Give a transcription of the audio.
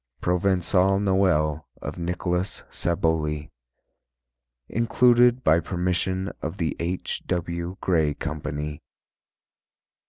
Provençal Noël of Nicholas Saboly _Included by permission of The H. W. Gray Company.